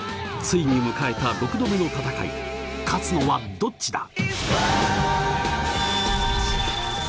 ついに迎えた６度目の戦い勝つのはどっちだ！